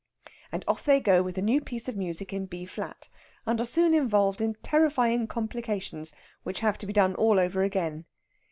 And off they go with the new piece of music in B flat, and are soon involved in terrifying complications which have to be done all over again.